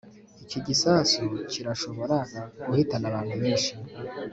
iki gisasu kirashobora guhitana abantu benshi.